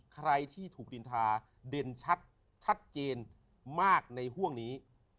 ใครที่ถูกดินทาเด่นชัดชัดเจนมากในห่วงนี้